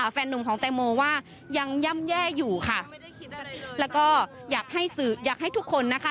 แฟนนุ่มของแตงโมว่ายังย่ำแย่อยู่ค่ะแล้วก็อยากให้สื่ออยากให้ทุกคนนะคะ